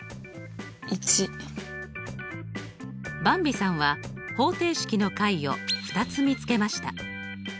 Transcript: ばんびさんは方程式の解を２つ見つけました。